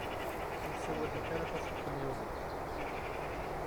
Ur ssawalent ara taspenyulit.